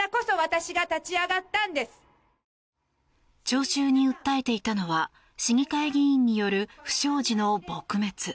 聴衆に訴えていたのは市議会議員による不祥事の撲滅。